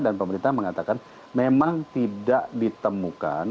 dan pemerintah mengatakan memang tidak ditemukan